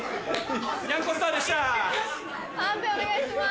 判定お願いします。